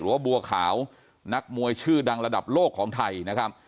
ว่าบัวขาวนักมวยชื่อดังระดับโลกของไทยนะครับ